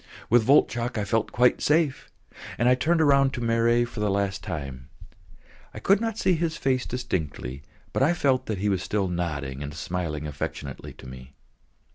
With Voltchok I felt quite safe, and I turned round to Marey for the last time; I could not see his face distinctly, but I felt that he was still nodding and smiling affectionately to me.